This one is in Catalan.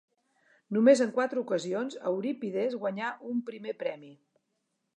Només en quatre ocasions Eurípides guanyà un primer premi.